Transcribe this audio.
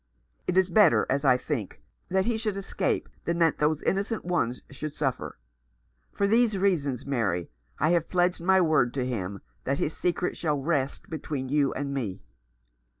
It is better, as I think, that he should escape than that those innocent ones should suffer. For these reasons, Mary, I have pledged my word to him that his secret shall rest between you and me."